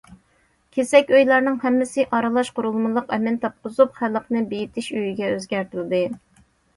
كېسەك ئۆيلەرنىڭ ھەممىسى ئارىلاش قۇرۇلمىلىق ئەمىن تاپقۇزۇپ خەلقنى بېيىتىش ئۆيىگە ئۆزگەرتىلدى.